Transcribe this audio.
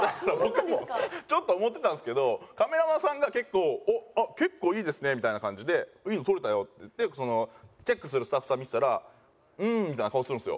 ちょっと思ってたんですけどカメラマンさんが結構「おっあっ結構いいですね」みたいな感じで「いいの撮れたよ」って言ってチェックするスタッフさんに見せたら「うん」みたいな顔するんですよ。